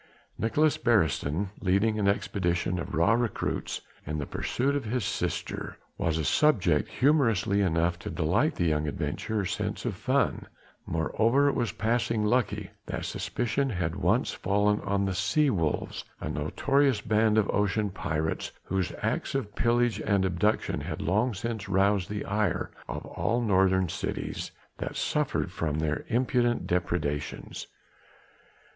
Nicolaes Beresteyn leading an expedition of raw recruits in the pursuit of his sister was a subject humorous enough to delight the young adventurer's sense of fun; moreover it was passing lucky that suspicion had at once fallen on the sea wolves a notorious band of ocean pirates whose acts of pillage and abduction had long since roused the ire of all northern cities that suffered from their impudent depredations.